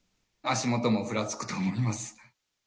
足元もふらつくと思います。